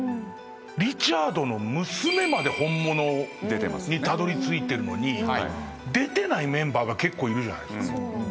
リチャードの娘まで本物にたどりついてるのに出てないメンバーが結構いるじゃない。